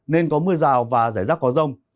nên có mưa rào và rải rác có rông